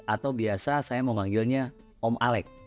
atau biasa saya memanggilnya om alec